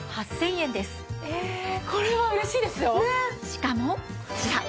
しかもこちら。